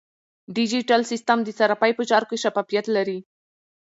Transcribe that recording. ډیجیټل سیستم د صرافۍ په چارو کې شفافیت راولي.